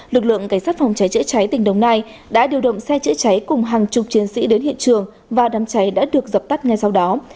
lực lượng cảnh sát phòng cháy chữa cháy tỉnh đồng nai đã điều động xe chữa cháy cùng hàng chục chiến sĩ đến hiện trường và đám cháy đã được dập tắt ngay sau đó